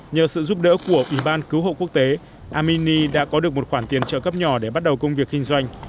nhờ sự giúp đỡ của ủy ban cứu hộ quốc tế amini đã có được một khoản tiền trợ cấp nhỏ để bắt đầu công việc kinh doanh